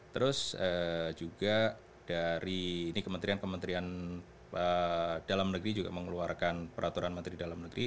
terus juga dari ini kementerian kementerian dalam negeri juga mengeluarkan peraturan menteri dalam negeri